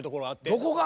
どこが？